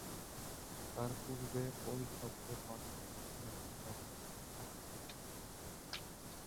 তার পূর্বে ঐ শব্দের বানানটুকুই আপনি জানেন, আর কিছুই জানেন না।